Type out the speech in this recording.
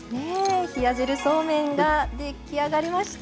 冷や汁そうめんが出来上がりました。